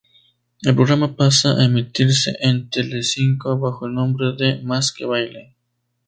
El programa pasa a emitirse en Telecinco bajo el nombre de "¡Más Que Baile!